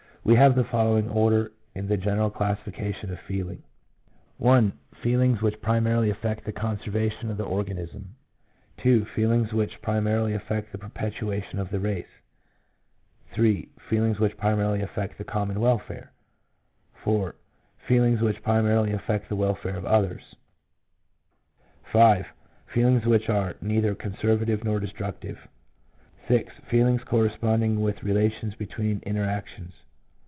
We have the following order in the general classification of feeling: 1 — I. Feelings which primarily affect the conservation of the organ ism ; II. Feelings which primarily affect the perpetua tion, of the race; III. Feelings which primarily affect the common welfare; IV. Feelings which primarily affect the welfare of others; V. Feelings which are neither conservative nor destructive; VI. Feelings corresponding with relations between interactions.